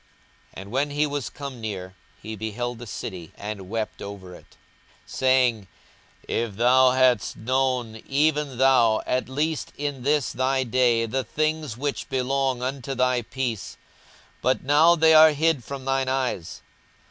42:019:041 And when he was come near, he beheld the city, and wept over it, 42:019:042 Saying, If thou hadst known, even thou, at least in this thy day, the things which belong unto thy peace! but now they are hid from thine eyes.